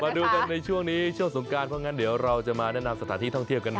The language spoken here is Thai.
ดูกันในช่วงนี้ช่วงสงการเพราะงั้นเดี๋ยวเราจะมาแนะนำสถานที่ท่องเที่ยวกันหน่อย